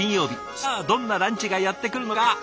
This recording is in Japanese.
さあどんなランチがやって来るのか？